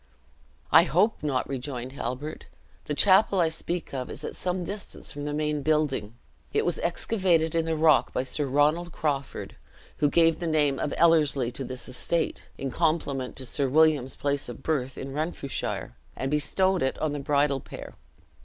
"I hope not," rejoined Halbert; "the chapel I speak of is at some distance from the main building. It was excavated in the rock by Sir Ronald Crawford, who gave the name of Ellerslie to this estate, in compliment to Sir William's place of birth in Renfrewshire, and bestowed it on the bridal pair.